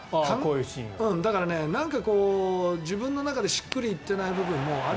だから、なんかこう自分の中でしっくりいってない部分もある。